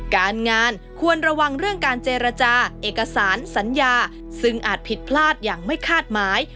การงานควรระวังเรื่องการเจรจาเอกสารสัญญาซึ่งอาจผิดพลาดอย่างไม่คาดหมาย